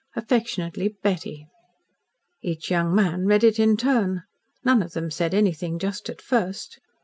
"Affectionately, "BETTY." Each young man read it in turn. None of them said anything just at first.